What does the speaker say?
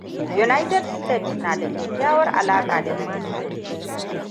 United State na da kyakkyawar alaƙa da Mexico.